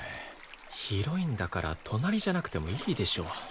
広いんだから隣じゃなくてもいいでしょ。